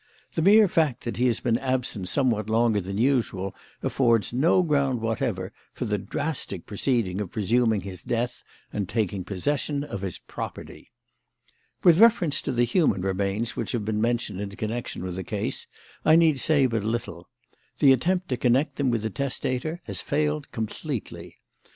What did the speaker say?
The mere fact that he has been absent somewhat longer than usual affords no ground whatever for the drastic proceeding of presuming his death and taking possession of his property. "With reference to the human remains which have been mentioned in connection with the case I need say but little. The attempt to connect them with the testator has failed completely.